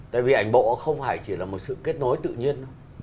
tại vì ảnh bộ không phải chỉ là một sự kết nối tự nhiên